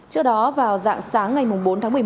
trước đó vào dạng sáng ngày bốn tháng một mươi một